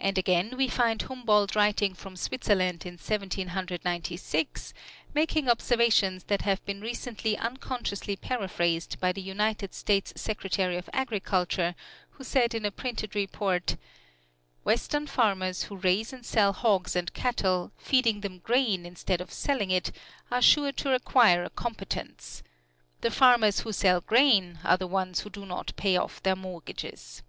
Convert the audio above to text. And again we find Humboldt writing from Switzerland in Seventeen Hundred Ninety six, making observations that have been recently unconsciously paraphrased by the United States Secretary of Agriculture, who said in a printed report: "Western farmers who raise and sell hogs and cattle, feeding them grain instead of selling it, are sure to acquire a competence. The farmers who sell grain are the ones who do not pay off their mortgages."